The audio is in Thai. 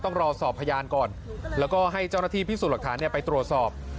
ต้องรอสอบพยานก่อนแล้วก็ให้เจ้าหน้าที่พิสูจน์หลักฐานไปตรวจสอบ